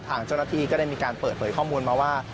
ทางเจ้าหน้าที่ก็ได้มีการเปิดเผยข้อมูลมาว่า